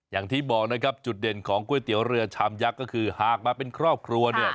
อย่างที่บอกนะครับจุดเด่นของก๋วยเตี๋ยวเรือชามยักษ์ก็คือหากมาเป็นครอบครัวเนี่ย